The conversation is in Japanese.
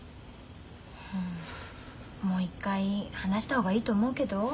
うんもう一回話した方がいいと思うけど？